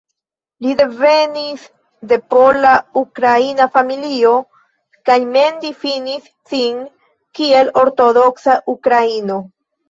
Li devenis de pola-ukraina familio kaj mem difinis sin kiel "ortodoksa ukraino".